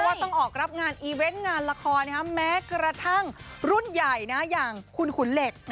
ต้องออกรับงานอีเวนต์งานละครแม้กระทั่งรุ่นใหญ่อย่างคุณขุนเหล็ก